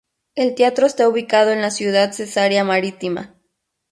El teatro está ubicado en la ciudad Cesarea Marítima.